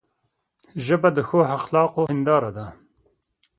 ژبه د ښو اخلاقو هنداره ده